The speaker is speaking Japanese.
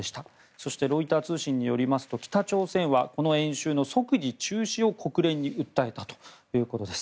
そしてロイター通信によりますと北朝鮮はこの演習の即時中止を国連に訴えたということです。